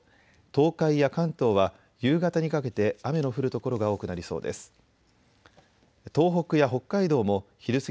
東海や関東は夕方にかけて雨の降る所が多くなりそうです。